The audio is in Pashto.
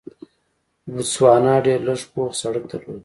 بوتسوانا ډېر لږ پوخ سړک درلود.